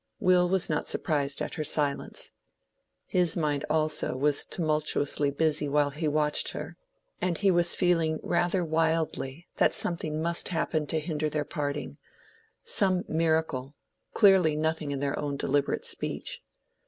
Will was not surprised at her silence. His mind also was tumultuously busy while he watched her, and he was feeling rather wildly that something must happen to hinder their parting—some miracle, clearly nothing in their own deliberate speech.